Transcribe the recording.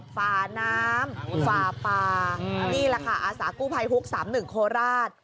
ฝ่าน้ำฝ่าป่านี่แหละค่ะอาสากู้ภัยฮุก๓๑โคราช